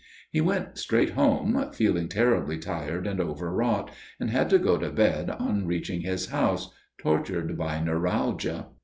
"He went straight home, feeling terribly tired and overwrought, and had to go to bed on reaching his house, tortured by neuralgia.